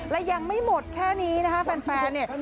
และยังไม่หมดแค่นี้นะคะแฟนเนี่ย